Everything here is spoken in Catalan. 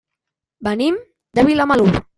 Venim de Vilamalur.